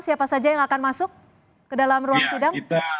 siapa saja yang akan masuk ke dalam ruang sidang